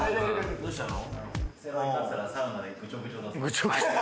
どうしたの？